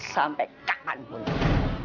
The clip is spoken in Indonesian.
sampai cakan mulut